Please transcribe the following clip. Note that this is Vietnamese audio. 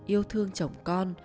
yêu thương chồng con